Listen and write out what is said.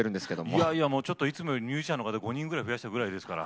いやいやちょっといつもよりミュージシャンの方５人ぐらい増やしたぐらいですから。